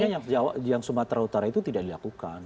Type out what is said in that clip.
yang setidaknya yang sumatera utara itu tidak dilakukan